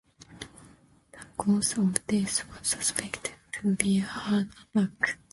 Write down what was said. The cause of death was suspected to be a heart attack.